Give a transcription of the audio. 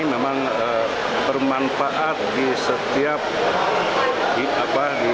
memang bermanfaat di setiap